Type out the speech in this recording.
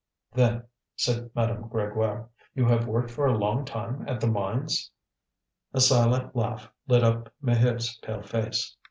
"Then," said Madame Grégoire, "you have worked for a long time at the mines?" A silent laugh lit up Maheude's pale face.